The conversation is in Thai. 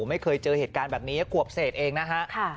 ไม่เคยเจอเหตุการณ์แบบนี้ขวบเศษเองนะฮะ